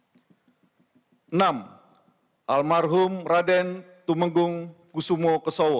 enam almarhum raden tumenggung kusumo kesawa